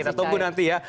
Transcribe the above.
kita tunggu nanti ya